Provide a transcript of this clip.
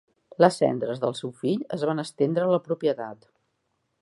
Les cendres del seu fill es van estendre a la propietat.